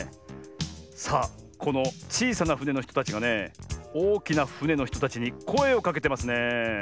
さあこのちいさなふねのひとたちがねおおきなふねのひとたちにこえをかけてますね。